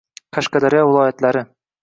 Qashqadaryo viloyatlari